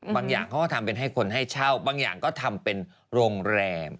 บางอย่างเขาทำเป็นให้คนเช่าบางอย่างเขาทำเป็นโรงแรม